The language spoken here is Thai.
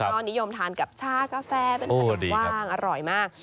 ก็นิยมทานกับชากาแฟเป็นขนมว่างอร่อยมาก